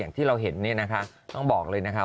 ที่เราเห็นเนี่ยนะคะต้องบอกเลยนะคะ